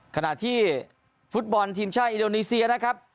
ขณะที่ฟุตบอลทีมชาติอินโดนีเซียนะครับ